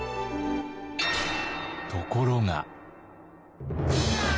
ところが。